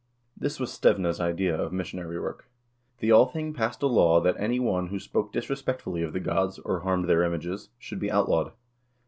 This was Stevne's idea of missionary work. The Althing passed a law that any one who spoke disrespectfully of the gods, or harmed their images, should be outlawed.